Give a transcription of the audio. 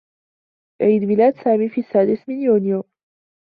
عيد ميلاد سامي في السّادس من يونيو.